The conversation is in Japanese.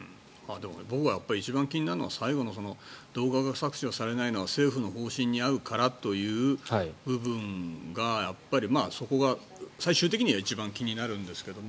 僕は一番気になるのは最後の、動画が削除されないのは政府の方針に合うからという部分がそこが最終的には一番気になるんですけども。